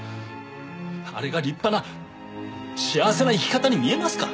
あれが立派な幸せな生き方に見えますか？